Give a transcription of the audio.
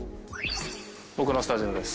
僕のスタジオです。